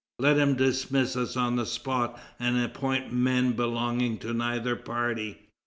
Let him dismiss us on the spot, and appoint men belonging to neither party."